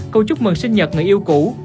câu chúc mừng sinh nhật người yêu cũ